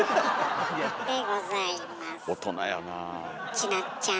ちなっちゃん